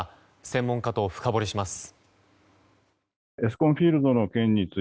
専門家と深掘りします。